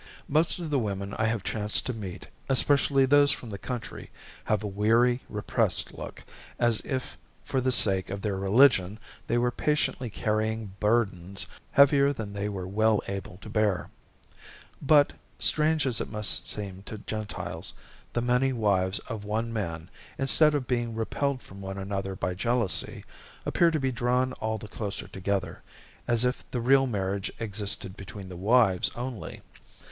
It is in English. Most of the women I have chanced to meet, especially those from the country, have a weary, repressed look, as if for the sake of their religion they were patiently carrying burdens heavier than they were well able to bear. But, strange as it must seem to Gentiles, the many wives of one man, instead of being repelled from one another by jealousy, appear to be drawn all the closer together, as if the real marriage existed between the wives only.